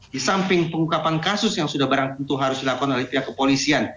di samping pengungkapan kasus yang sudah barang tentu harus dilakukan oleh pihak kepolisian